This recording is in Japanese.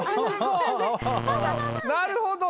なるほど！